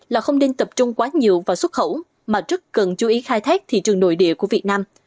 là không nên tập trung quá nhiều vào xuất khẩu mà rất cần chú ý khai thác thị trường nội địa của việt nam